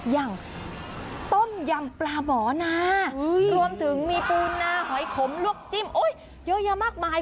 อย่างต้มยำปลาหมอนารวมถึงมีปูนาหอยขมลวกจิ้มเยอะแยะมากมาย